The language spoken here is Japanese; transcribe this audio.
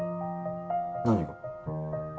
何が？